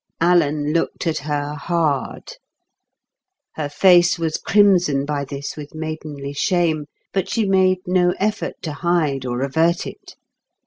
Alan looked at her hard. Her face was crimson by this with maidenly shame; but she made no effort to hide or avert it.